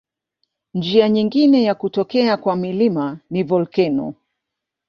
Njia nyingine ya kutokea kwa milima ni volkeno.